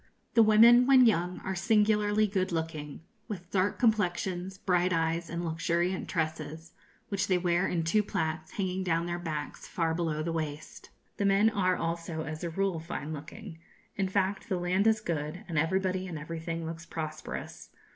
The women, when young, are singularly good looking, with dark complexions, bright eyes, and luxuriant tresses, which they wear in two plaits, hanging down their backs far below the waist. The men are also, as a rule, fine looking. In fact, the land is good, and everybody and everything looks prosperous.